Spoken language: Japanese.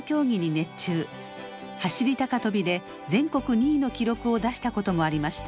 走り高跳びで全国２位の記録を出したこともありました。